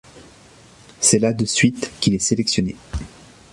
C'est la de suite qu'il est sélectionné.